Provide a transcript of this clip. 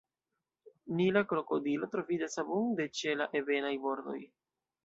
Nila krokodilo troviĝas abunde ĉe la ebenaj bordoj.